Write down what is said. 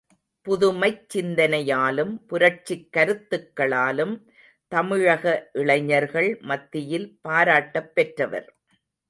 புதுமைச் சிந்தனையாலும், புரட்சிக் கருத்துக்களாலும் தமிழக இளைஞர்கள் மத்தியில் பாராட்டப் பெற்றவர்.